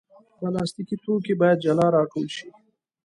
پلاستيکي توکي باید جلا راټول شي.